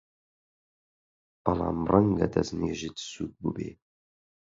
بەڵام ڕەنگە دەستنوێژت سووک بووبێ!